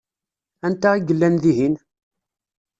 Anta i yellan dihin?